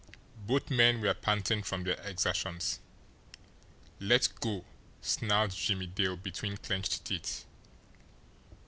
Both men were panting from their exertions. "Let go!" snarled Jimmie Dale between clenched teeth.